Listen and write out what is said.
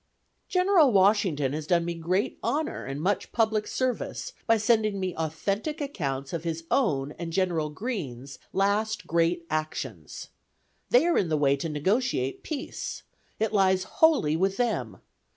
... "General Washington has done me great honor and much public service by sending me authentic accounts of his own and General Greene's last great actions. They are in the way to negotiate peace. It lies wholly with them.